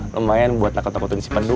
lumayan buat nakut nakutin si pedut